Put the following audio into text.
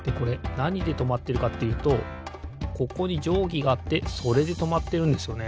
なにでとまってるかっていうとここにじょうぎがあってそれでとまってるんですよね。